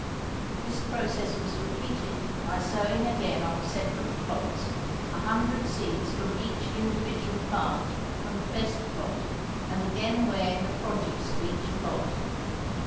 This process was repeated by sowing again on separate plots a hundred seeds from each individual plant from the best plot, and again weighing the produce of each plot.